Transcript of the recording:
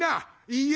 「いいえ。